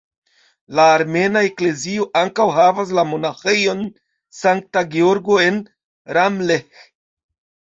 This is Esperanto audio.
La Armena Eklezio ankaŭ havas la monaĥejon Sankta Georgo en Ramleh.